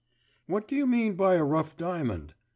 'What do you mean by a rough diamond?